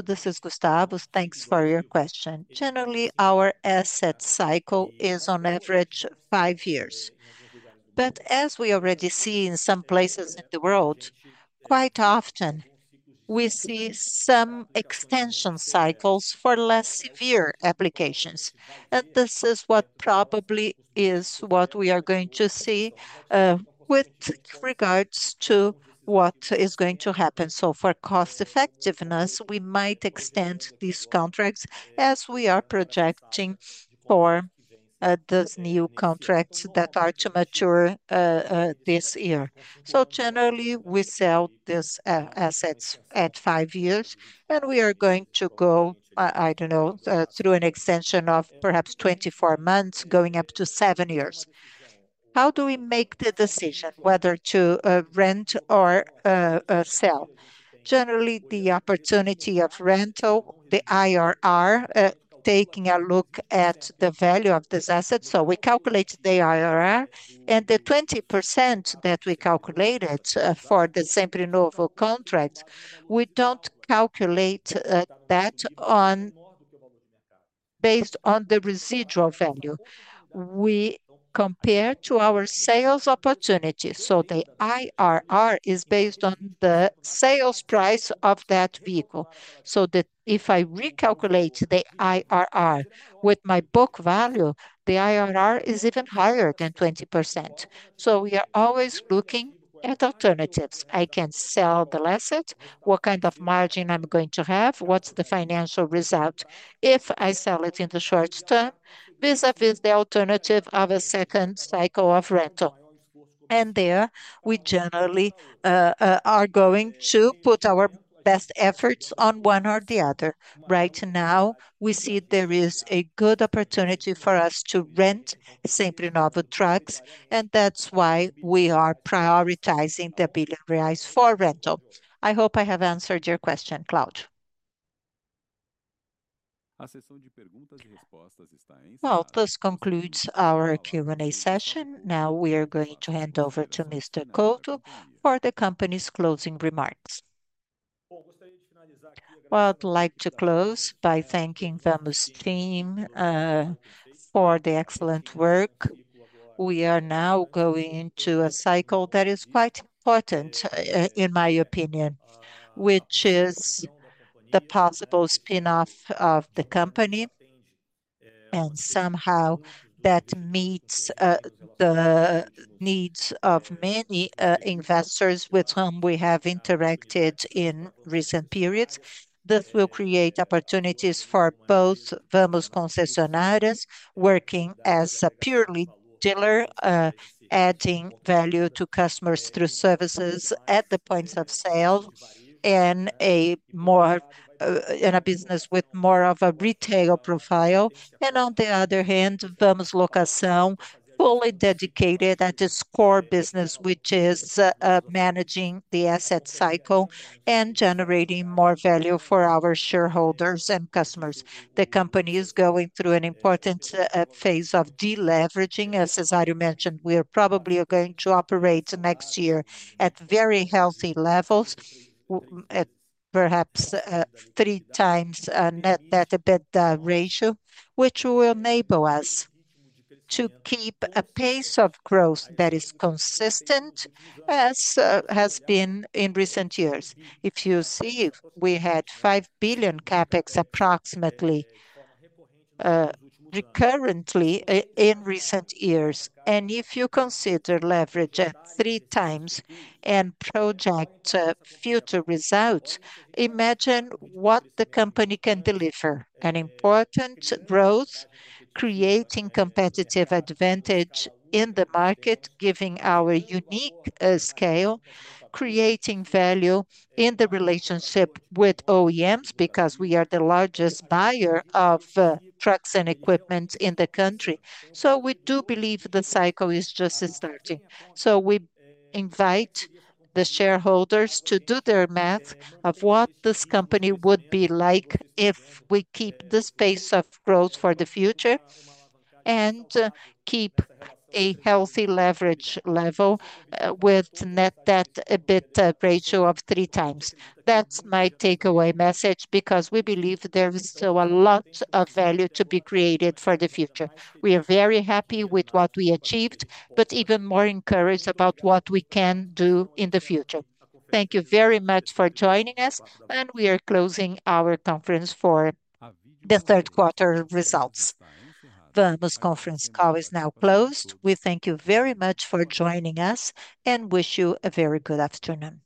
This is Gustavo. Thanks for your question. Generally, our asset cycle is on average five years. But as we already see in some places in the world, quite often we see some extension cycles for less severe applications. And this is what probably is what we are going to see with regards to what is going to happen. So for cost effectiveness, we might extend these contracts as we are projecting for these new contracts that are to mature this year. So generally, we sell these assets at five years, and we are going to go, I don't know, through an extension of perhaps 24 months, going up to seven years. How do we make the decision whether to rent or sell? Generally, the opportunity of rental, the IRR, taking a look at the value of this asset, so we calculate the IRR, and the 20% that we calculated for the Seminovos contract, we don't calculate that based on the residual value. We compare to our sales opportunity, so the IRR is based on the sales price of that vehicle, so if I recalculate the IRR with my book value, the IRR is even higher than 20%, so we are always looking at alternatives. I can sell the asset. What kind of margin I'm going to have? What's the financial result if I sell it in the short term vis-à-vis the alternative of a second cycle of rental, and there we generally are going to put our best efforts on one or the other. Right now, we see there is a good opportunity for us to rent Seminovos trucks, and that's why we are prioritizing the 1 billion reais for rental. I hope I have answered your question, Cláudio. This concludes our Q&A session. Now we are going to hand over to Mr. Couto for the company's closing remarks. I'd like to close by thanking Vamos team for the excellent work. We are now going into a cycle that is quite important, in my opinion, which is the possible spin-off of the company. Somehow that meets the needs of many investors with whom we have interacted in recent periods. This will create opportunities for both Vamos Concessionárias working as a purely dealer, adding value to customers through services at the points of sale and a business with more of a retail profile. And on the other hand, Vamos Locação, fully dedicated at its core business, which is managing the asset cycle and generating more value for our shareholders and customers. The company is going through an important phase of deleveraging. As I mentioned, we are probably going to operate next year at very healthy levels, perhaps three times net debt to EBITDA ratio, which will enable us to keep a pace of growth that is consistent, as has been in recent years. If you see, we had 5 billion CAPEX approximately recurrently in recent years. And if you consider leverage at three times and project future results, imagine what the company can deliver. An important growth, creating competitive advantage in the market, giving our unique scale, creating value in the relationship with OEMs because we are the largest buyer of trucks and equipment in the country. So we do believe the cycle is just starting. So we invite the shareholders to do their math of what this company would be like if we keep this pace of growth for the future and keep a healthy leverage level with net debt to EBITDA ratio of three times. That's my takeaway message because we believe there is still a lot of value to be created for the future. We are very happy with what we achieved, but even more encouraged about what we can do in the future. Thank you very much for joining us, and we are closing our conference for the third quarter results. Vamos conference call is now closed. We thank you very much for joining us and wish you a very good afternoon.